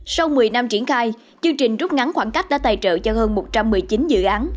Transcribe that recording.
sau một mươi năm triển khai chương trình rút ngắn khoảng cách đã tài trợ cho hơn một trăm một mươi chín dự án